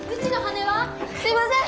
すいません！